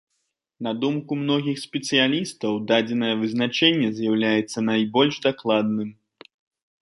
На думку многіх спецыялістаў дадзенае вызначэнне з'яўляецца найбольш дакладным.